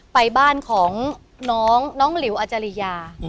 ไปบ้านของน้องน้องลิวอัจจารยา